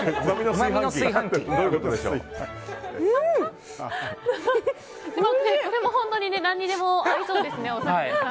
これも本当に何にでも合いそうですね。